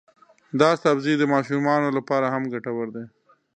دا سبزی د ماشومانو لپاره هم ګټور دی.